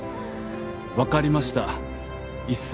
わかりました一星。